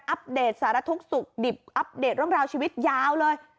อัปเดตสารทุกข์สุขดิบอัปเดตเรื่องราวชีวิตยาวเลย